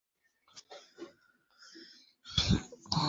তুমি বলেছিলে, বিয়ের আগেই একটা মেয়ের দেখা পাব আমি।